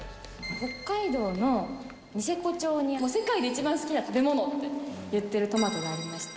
北海道のニセコ町に、世界で一番好きな食べ物って言ってるトマトがありまして。